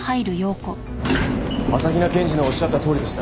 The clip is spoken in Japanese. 朝日奈検事のおっしゃったとおりでした。